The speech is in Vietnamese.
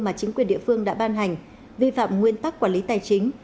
mà chính quyền địa phương đã ban hành vi phạm nguyên tắc quản lý tài chính